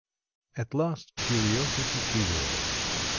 At last curiosity prevailed.